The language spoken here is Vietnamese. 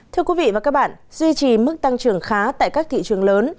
thưa quý vị và các bạn duy trì mức tăng trưởng khá tại các thị trường lớn